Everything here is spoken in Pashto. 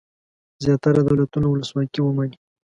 زیاتره دولتونه ولسواکي ومني.